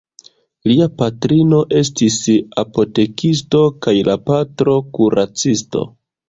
Lia patrino estis apotekisto kaj la patro kuracisto.